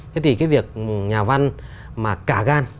thế thì cái việc nhà văn mà cả gan